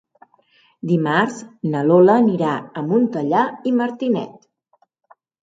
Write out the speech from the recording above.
Dimarts na Lola anirà a Montellà i Martinet.